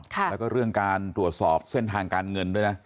แล้วก็เรื่องการตรวจสอบเส้นทางการเงินด้วยนะ